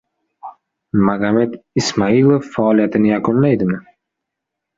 Magomed Ismailov faoliyatini yakunlaydimi?